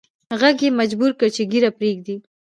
ږغ یې مجبور کړ چې ږیره پریږدي